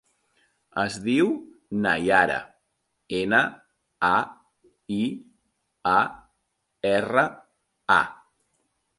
Es diu Naiara: ena, a, i, a, erra, a.